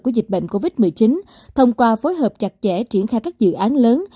của dịch bệnh covid một mươi chín thông qua phối hợp chặt chẽ triển khai các dự án lớn